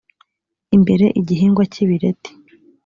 imbere igihingwa cy ibireti